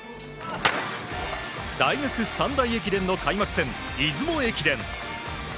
大学三大駅伝の開幕戦出雲駅伝。